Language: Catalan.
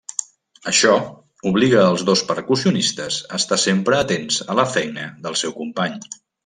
Això obliga els dos percussionistes a estar sempre atents a la feina del seu company.